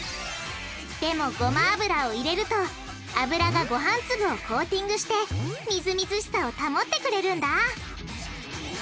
でもごま油を入れると油がごはん粒をコーティングしてみずみずしさを保ってくれるんだ！